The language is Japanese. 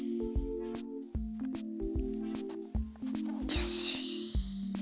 よし。